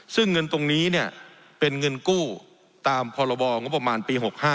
ซึ่งเงินตรงนี้เนี่ยเป็นเงินกู้ตามพรบงบประมาณปี๖๕